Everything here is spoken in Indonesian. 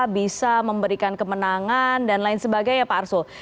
bisa memberikan kemenangan dan lain sebagainya pak arsul